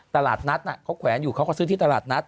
ตลาดนัดเขาแขวนอยู่เขาก็ซื้อที่ตลาดนัด